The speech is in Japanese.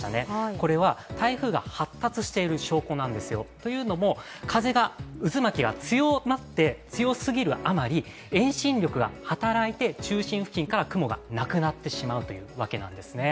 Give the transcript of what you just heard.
これは台風が発達している証拠なんですよ。というのも、風が渦巻きが強まって、強すぎるあまり遠心力が働いて、中心付近から雲がなくなってしまうというわけなんですね。